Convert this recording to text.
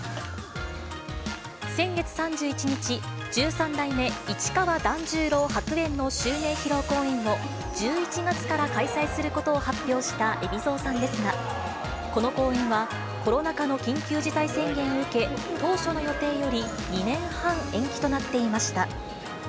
先月３１日、十三代目市川團十郎白猿の襲名披露公演を、１１月から開催することを発表した海老蔵さんですが、この公演は、コロナ禍の緊急事態宣言を受け、当初の予定より２年半延期となっていました。